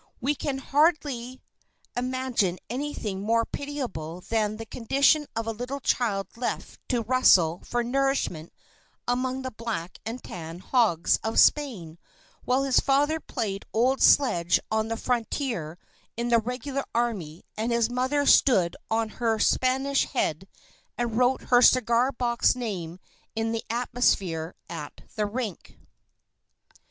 We can hardly imagine anything more pitiable than the condition of a little child left to rustle for nourishment among the black and tan hogs of Spain while his father played old sledge on the frontier in the regular army and his mother stood on her Spanish head and wrote her cigar box name in the atmosphere at the rink.